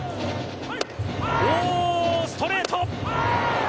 ストレート。